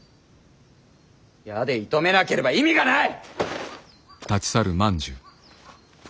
矢で射止めなければ意味がない！